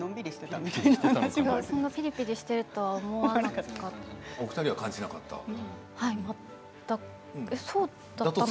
そんなピリピリしていると思わなかった。